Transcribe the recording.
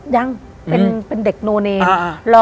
ยังเป็นเด็กโนเนร